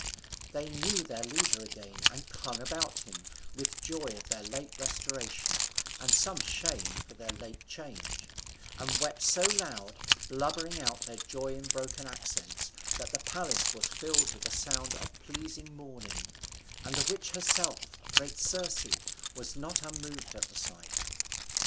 They knew their leader again, and clung about him, with joy of their late restoration, and some shame for their late change; and wept so loud, blubbering out their joy in broken accents, that the palace was filled with a sound of pleasing mourning, and the witch herself, great Circe, was not unmoved at the sight.